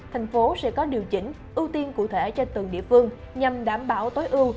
thành phố sẽ có điều chỉnh ưu tiên cụ thể cho từng địa phương nhằm đảm bảo tối ưu